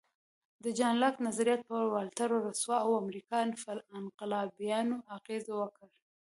د جان لاک نظریات پر والټر، روسو او امریکایي انقلابیانو اغېز وکړ.